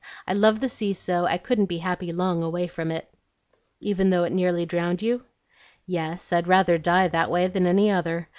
I love the sea so, I couldn't be happy long away from it." "Even though it nearly drowned you?" "Yes, I'd rather die that way than any other.